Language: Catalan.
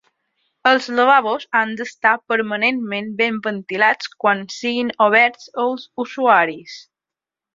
Els lavabos han d’estar permanentment ben ventilats quan siguin oberts als usuaris.